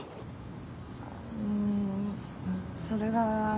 うんそれが。